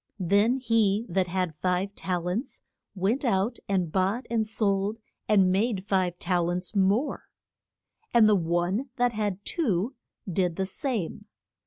Then he that had five tal ents went out and bought and sold and made five tal ents more. And the one that had two did the same.